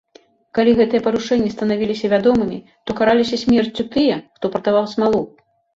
Калі гэтыя парушэнні станавіліся вядомымі, то караліся смерцю тыя, хто прадаваў смалу.